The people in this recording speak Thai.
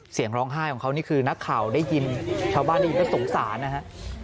เสียงร้องไห้ของเขานี่คือนักข่าวได้ยินชาวบ้านได้ยินก็สงสารนะฮะ